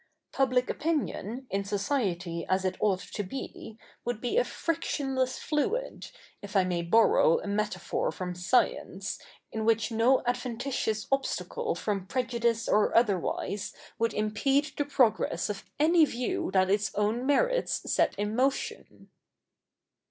Public opinion, in society as it ought to be, would be a frictionless fluid, if I may borrow a metaphor from science, in which no adventitious obstacle from prejudice or otherwise would impede the progress of any view that its own merits set in motion.'